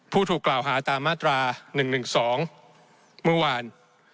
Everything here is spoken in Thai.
ผู้ถูกกล่าวหาตามมาตรา๑๑๒เมื่อวาน